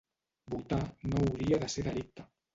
Votar no hauria de ser delicte